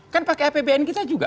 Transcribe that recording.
kan pakai apbn kita juga